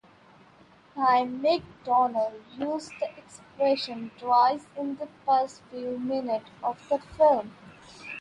"Hi" McDunnough uses the expression twice in the first few minutes of the film.